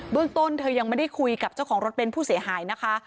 เรื่องต้นเธอยังไม่ได้คุยกับเจ้าของรถเน้นผู้เสียหายนะคะ